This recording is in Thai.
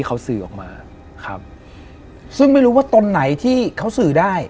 แล้วเขาไปซื้อ